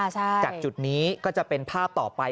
จากจุดนี้ก็จะเป็นภาพต่อไป